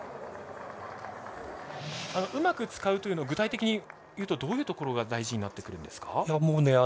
うまく使うというのは具体的にどういうところが大事になってくるんですか？